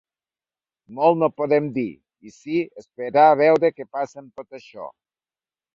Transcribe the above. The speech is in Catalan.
Molt no podem dir i sí esperar a veure què passa amb tot això.